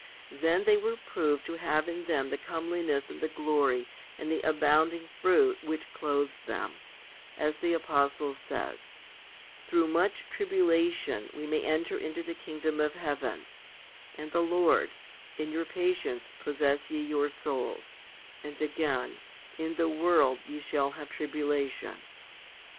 Then they were proved to have in them the comeliness and the glory and the abounding fruit which clothes them ; as the apostle says, Through much tribulation we may enter into the kingdom of heaven, 1 and the Lord, In your patience possess ye your souls, 2 and again, In the world ye shall have tribulation.